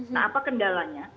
nah apa kendalanya